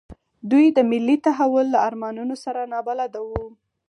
دوی د ملي تحول له ارمانونو سره نابلده وو.